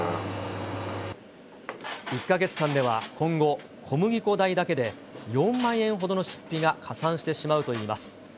１か月間では今後、小麦粉代だけで４万円ほどの出費が加算してしまうといいます。